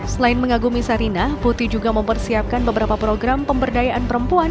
selain mengagumi sarinah putih juga mempersiapkan beberapa program pemberdayaan perempuan